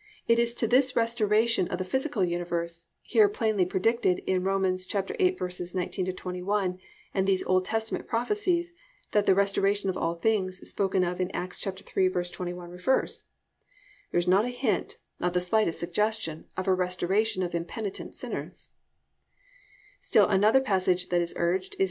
"+ It is to this restoration of the physical universe, here plainly predicted in Rom. 8:19 21 and these Old Testament prophecies, that the "restoration of all things" spoken of in Acts 3:21 refers. There is not a hint, not the slightest suggestion, of a restoration of impenitent sinners. 4. Still another passage that is urged is Eph.